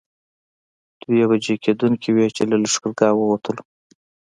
دوه بجې کېدونکې وې چې له لښکرګاه ووتلو.